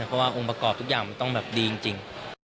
เพราะว่าองค์ประกอบทุกอย่างมันต้องแบบดีจริง